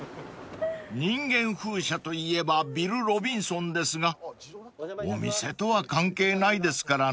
［人間風車といえばビル・ロビンソンですがお店とは関係ないですからね］